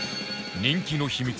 人気の秘密